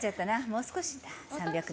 もう少し、３００。